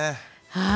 はい。